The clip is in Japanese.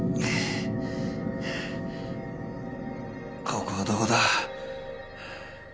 ここはどこだ？